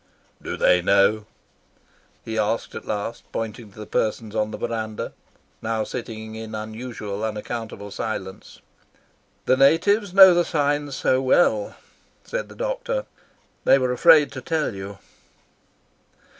"Do they know?" he asked at last, pointing to the persons on the verandah, now sitting in unusual, unaccountable silence. "These natives know the signs so well," said the doctor. "They were afraid to tell you."